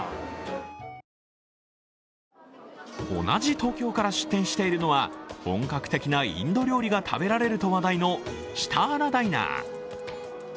同じ東京から出店しているのは本格的なインド料理が食べられると話題のシターラダイナー。